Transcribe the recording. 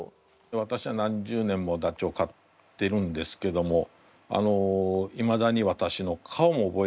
わたしは何十年もダチョウ飼ってるんですけどもいまだにわたしの顔も覚えてくれないんですね。